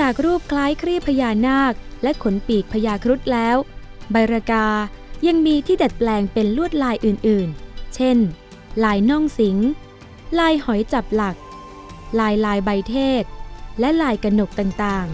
จากรูปคล้ายครีบพญานาคและขนปีกพญาครุฑแล้วใบรกายังมีที่ดัดแปลงเป็นลวดลายอื่นเช่นลายน่องสิงลายหอยจับหลักลายลายใบเทศและลายกระหนกต่าง